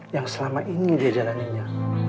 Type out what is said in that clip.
yang selama ini dia jalaninya